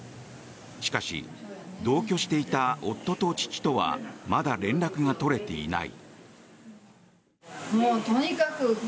しかし、同居していた夫と父とはまだ連絡が取れていない。